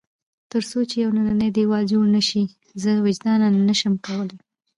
تر څو چې یو دننی دېوال جوړ نه شي، زه وجداناً نه شم کولای.